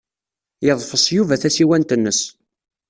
Yeḍfes Yuba tasiwant-nnes.